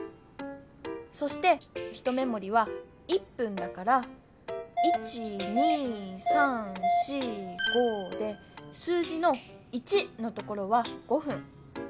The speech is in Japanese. そして一目もりは１ぷんだから１２３４５で数字の「１」のところは５ふん。